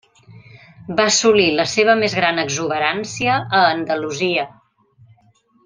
Va assolir la seva més gran exuberància a Andalusia.